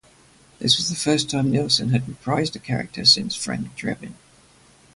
This was the first time Nielsen had reprised a character since Frank Drebin.